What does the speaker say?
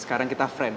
sekarang kita friend